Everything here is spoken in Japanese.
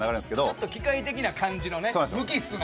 ちょっと機械的な感じのね無機質な。